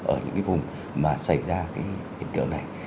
ở những cái vùng mà xảy ra cái hiện tượng này